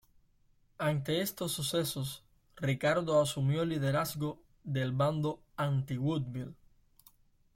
Ante estos sucesos, Ricardo asumió el liderazgo del bando anti-Woodville.